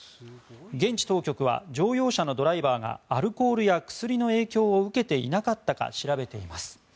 現地当局は乗用車のドライバーがアルコールや薬の影響を受けていなかったか調べています。